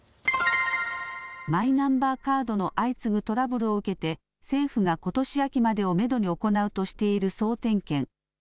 マイナンバーカードの相次ぐトラブルを受けて政府がことし秋までをめどに行うとしている総点検。